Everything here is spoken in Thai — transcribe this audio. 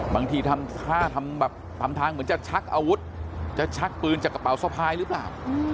ทำท่าทำแบบทำทางเหมือนจะชักอาวุธจะชักปืนจากกระเป๋าสะพายหรือเปล่า